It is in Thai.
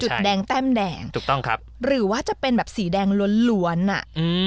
แดงแต้มแดงถูกต้องครับหรือว่าจะเป็นแบบสีแดงล้วนล้วนอ่ะอืม